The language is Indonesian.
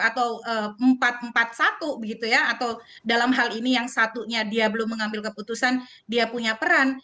atau empat empat satu begitu ya atau dalam hal ini yang satunya dia belum mengambil keputusan dia punya peran